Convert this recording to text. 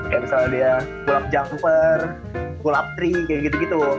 kayak misalnya dia gulap jumper gulap three kayak gitu gitu